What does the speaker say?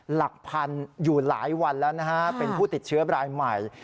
หลักพันธุ์อยู่หลายวันแล้วนะฮะเป็นผู้ติดเชื้อรายใหม่